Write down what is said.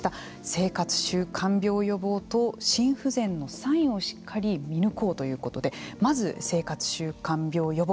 生活習慣病予防と心不全のサインをしっかり見抜こうということでまず、生活習慣病予防。